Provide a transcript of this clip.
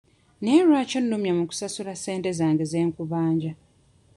Naye lwaki onnumya mu kunsasula ssente zange ze nkubanja?